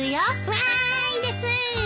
わいです。